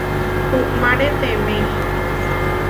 Uʼmáreteme.